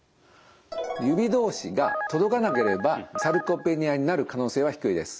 指同士が届かなければサルコペニアになる可能性は低いです。